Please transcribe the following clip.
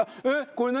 これ何？